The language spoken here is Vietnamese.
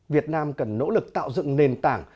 việt nam cần nỗ lực tạo dựng nền tảng